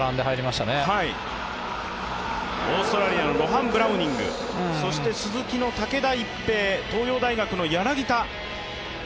オーストラリアのロハン・ブラウニング、そして、スズキの竹田一平東洋大学の柳田。